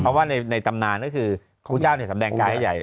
เพราะว่าในตำนานก็คือพระพุทธเจ้าสำแดงกายให้ใหญ่